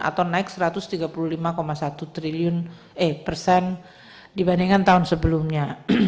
anggaran bansos kita melonjak tajam dari rp dua belas lima triliun atau naik rp satu ratus tiga puluh lima satu triliun persen dibandingkan tahun sebelumnya